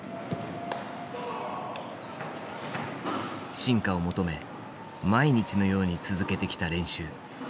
進化を求め毎日のように続けてきた練習。